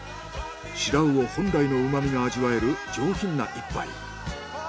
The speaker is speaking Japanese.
シラウオ本来の旨みが味わえる上品な一杯。